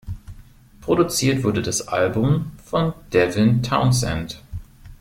Produziert wurde das Album von Devin Townsend.